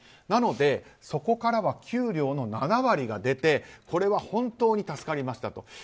なので、そこからは給料の７割が出てこれは本当に助かりましたと。